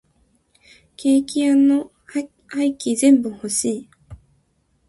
ケーキ屋の廃棄全部欲しい。